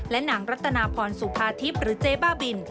นางรัตนาพรสุภาทิพย์หรือเจ๊บ้าบิน